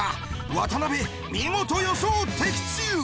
渡辺見事予想的中！